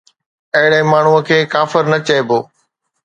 اهڙي ماڻهوءَ کي ڪافر نه چئبو